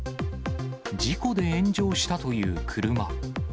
事故で炎上したという車。